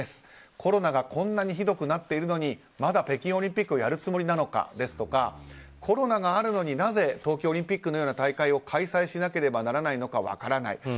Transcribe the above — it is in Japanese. コロナがこんなにひどくなっているのにまだ北京オリンピックをやるつもりなのかですとかコロナがあるのに、なぜ冬季オリンピックのような大会を開催しなければならないのか分からない